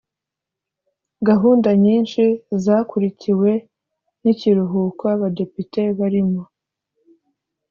Gahunda nyinshi zakurikiwe n’ikiruhuko abadepite barimo